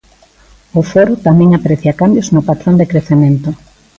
O foro tamén aprecia cambios no patrón de crecemento.